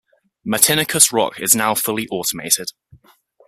Matinicus Rock is now fully automated.